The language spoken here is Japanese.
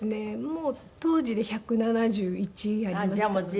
もう当時で１７１ありましたね。